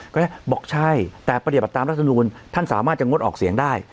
ก็บอกใช่แต่ปฏิบัติตามรัฐมนูลท่านสามารถจะงดออกเสียงได้